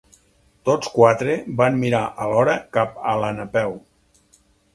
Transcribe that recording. Tots quatre van mirar alhora cap a la Napeu.